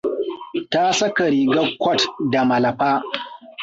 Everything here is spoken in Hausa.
Ta saka rigar kwat da malafa.